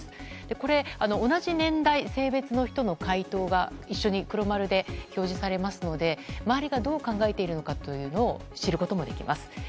これ、同じ年代・性別の人の回答が一緒に黒丸で表示されますので周りがどう考えているのかというのを知ることもできます。